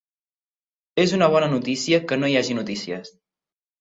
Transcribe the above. És una bona notícia que no hi hagi notícies.